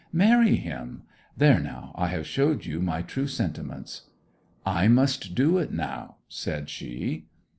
'Marry him. There, now I have showed you my true sentiments.' 'I must do it now,' said she.